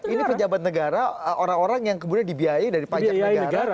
ini pejabat negara orang orang yang kemudian dibiayai dari pajak negara